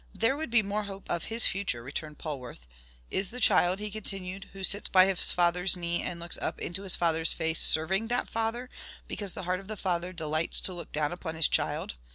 "There would be more hope of his future," returned Polwarth. " Is the child," he continued, "who sits by his father's knee and looks up into his father's face, SERVING that father, because the heart of the father delights to look down upon his child?